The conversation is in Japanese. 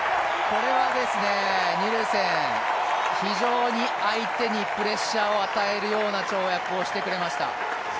これはニルセン、非常に相手にプレッシャーを与えるような跳躍をしてくれました。